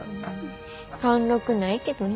貫禄ないけどな。